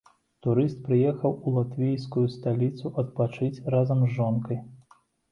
Турыст прыехаў у латвійскую сталіцу адпачыць разам з жонкай.